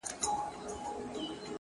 ښه دی چي ونه درېد ښه دی چي روان ښه دی ـ